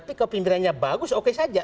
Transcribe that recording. tapi kepimpinannya bagus oke saja